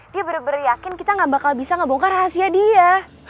dia benar benar yakin kita gak bakal bisa ngebongkar rahasia dia